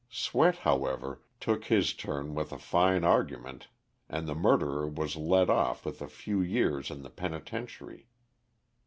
Swett, however, took his turn with a fine argument and the murderer was let off with a few years in the penitentiary.